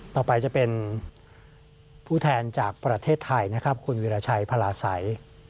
ต่อไปจะเป็นผู้แทนจากประเทศไทยนะครับคุณวิราชัยพลาสัย